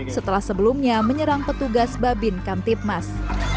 setelah sebelumnya menyerang petugas babin kantip mas